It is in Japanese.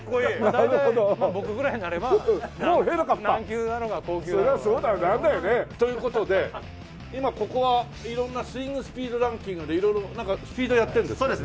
大体僕ぐらいになれば軟球だろうが硬球だろうが。という事で今ここは色んな「スイングスピードランキング」で色々スピードやってるんですか？